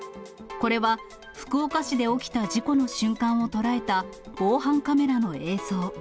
これは福岡市で起きた事故の瞬間を捉えた、防犯カメラの映像。